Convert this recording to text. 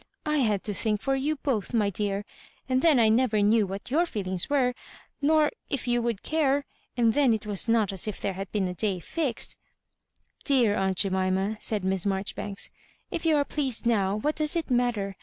I had to think for you both, my dear. And then I never knew what your feelings were, nor if you would care ; and then it was not as if there had been a day fixed ^"" Dear aunt Jemima," said Mfes Maijoribanks, "if you are pleased now, what does it matter?